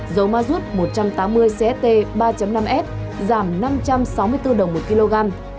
dầu mazut một trăm tám mươi cst ba năm s giảm năm trăm sáu mươi bốn đồng một kg